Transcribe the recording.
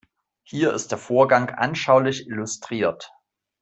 Hier ist der Vorgang anschaulich illustriert.